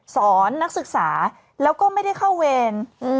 นักศึกษาแล้วก็ไม่ได้เข้าเวร